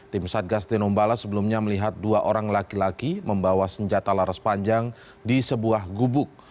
tim satgas tinombala sebelumnya melihat dua orang laki laki membawa senjata laras panjang di sebuah gubuk